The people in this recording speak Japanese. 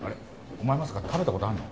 お前まさか食べた事あるの？